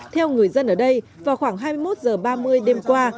theo người dân ở đây vào khoảng hai mươi một h ba mươi đêm qua